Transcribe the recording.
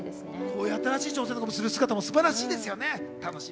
新しい挑戦をする姿も素晴らしいですよね。